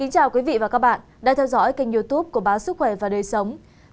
chào các bạn đã theo dõi kênh youtube của báo sức khỏe và đời sống